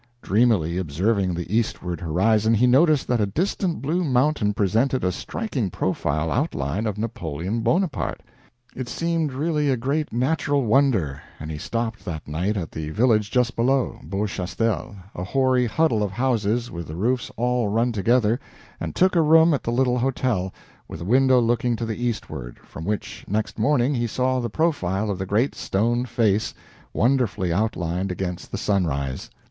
Dreamily observing the eastward horizon, he noticed that a distant blue mountain presented a striking profile outline of Napoleon Bonaparte. It seemed really a great natural wonder, and he stopped that night at the village just below, Beauchastel, a hoary huddle of houses with the roofs all run together, and took a room at the little hotel, with a window looking to the eastward, from which, next morning, he saw the profile of the great stone face, wonderfully outlined against the sunrise.